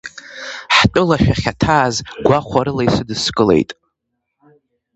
Ҳтәыла шәахьаҭааз гәахәарыла исыдыскылеит.